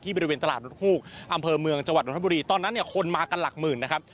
บริเวณตลาดนกฮูกอำเภอเมืองจังหวัดนทบุรีตอนนั้นเนี่ยคนมากันหลักหมื่นนะครับ